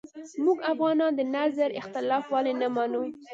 موږ افغانان د نظر اختلاف ولې نه منو